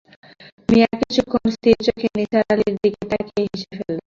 মিয়া কিছুক্ষণ স্থির চোখে নিসার আলির দিকে তাকিয়ে হেসে ফেললেন।